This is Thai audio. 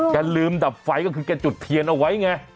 แกลืมดับไฟก็คือแกจุดเทียนเอาไว้ไง